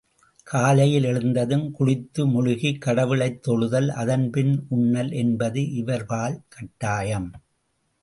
காலையில் எழுந்ததும் குளித்து முழுகிக் கடவுளைத் தொழுதல், அதன் பின் உண்ணல் என்பது இவர்பால் கட்டாயம்.